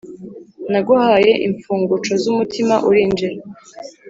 Naguhaye infunguco z umutima Urinjira